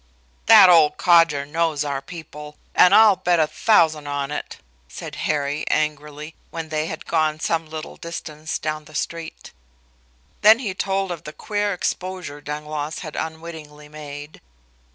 "That old codger knows our people, and I'll bet a thousand on it," said Harry, angrily, when they had gone some little distance down the street. Then he told of the queer exposure Dangloss had unwittingly made.